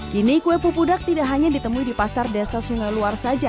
kini kue pupudak tidak hanya ditemui di pasar desa sungai luar saja